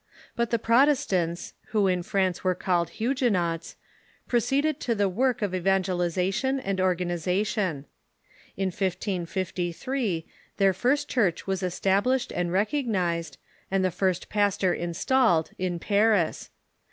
But the Protestants, who in France were called Hugue nots, proceeded to the work of evangelization and organization. In 1553 their first church was established and recognized, and the first pastor installed, in Paris.